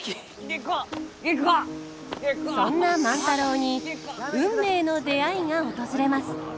そんな万太郎に運命の出会いが訪れます。